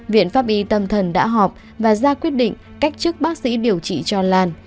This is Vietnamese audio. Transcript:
viện pháp y tâm thần đã họp và ra quyết định cách chức bác sĩ điều trị cho lan